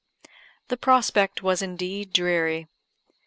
The prospect was indeed dreary.